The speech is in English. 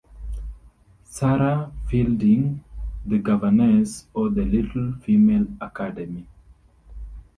Sarah Fielding - "The Governess, or The Little Female Academy"